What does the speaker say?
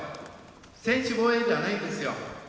専守防衛じゃないんですよ。